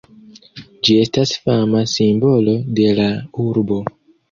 Ĝi estas fama simbolo de la urbo.